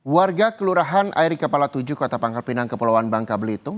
warga kelurahan airik kepala tujuh kota pangkal pinang kepulauan bangka belitung